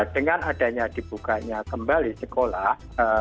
dengan adanya dibukanya kembali sekolah